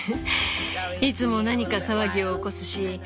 いつも何か騒ぎを起こすし。